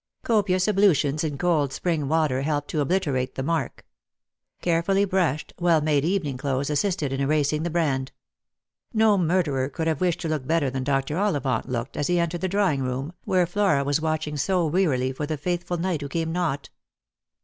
Copious ablutions in cold spring water helped to obliterate the mark. Carefully brushed, well made evening clothes as sisted in erasing the brand. No murderer could have wished to look better than Dr. Ollivant looked as he entered the drawing room, where Flora was watching so wearily for the faithful knight who came not.